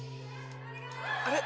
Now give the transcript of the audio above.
あれ？